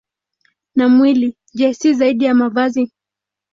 Na mwili, je, si zaidi ya mavazi?